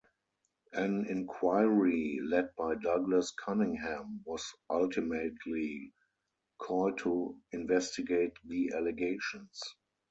An inquiry led by Douglas Cunningham was ultimately called to investigate the allegations.